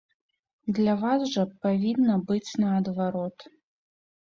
Для вас жа павінна быць наадварот?